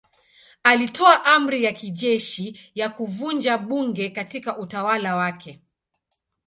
Alitoa amri ya kijeshi ya kuvunja bunge katika utawala wake.